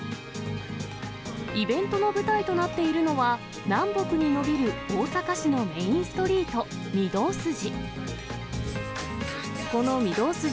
イベントの舞台となっているのは、南北に延びる大阪市のメインストリート、御堂筋。